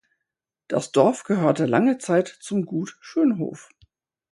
Das Dorf gehörte lange Zeit zum Gut Schönhof.